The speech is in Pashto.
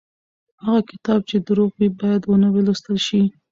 هغه کتاب چې دروغ وي بايد ونه لوستل شي.